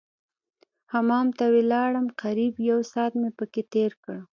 حمام ته ولاړم قريب يو ساعت مې پکښې تېر کړ.